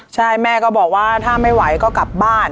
ใช่แม่ก็บอกว่าถ้าไม่ไหวก็กลับบ้าน